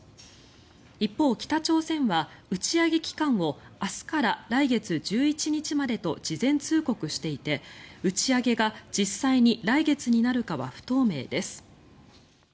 一方、北朝鮮は打ち上げ期間を明日から来月１１日までと事前通告していて打ち上げが実際に来月になるかは不透明です。